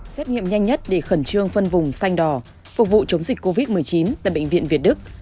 xét nghiệm nhanh nhất để khẩn trương phân vùng xanh đỏ phục vụ chống dịch covid một mươi chín tại bệnh viện việt đức